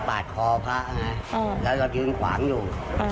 ปาดคอพระนะแล้วก็ยืนขวางอยู่